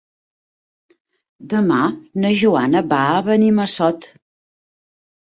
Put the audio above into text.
Demà na Joana va a Benimassot.